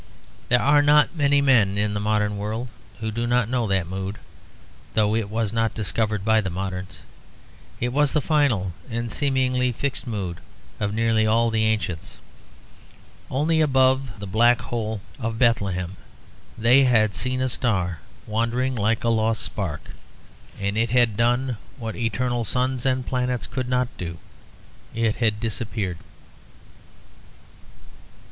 There are not many men in the modern world who do not know that mood, though it was not discovered by the moderns; it was the final and seemingly fixed mood of nearly all the ancients. Only above the black hole of Bethlehem they had seen a star wandering like a lost spark; and it had done what the eternal suns and planets could not do. It had disappeared.